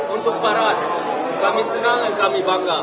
untuk parah kami senang dan kami bangga